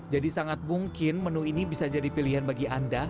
jadi sangat mungkin menu ini bisa jadi pilihan bagi anda